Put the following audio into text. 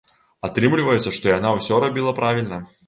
Атрымліваецца, што яна ўсё рабіла правільна.